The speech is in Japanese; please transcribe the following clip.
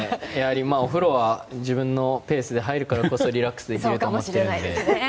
お風呂は自分のペースで入るからこそリラックスできると思っているので。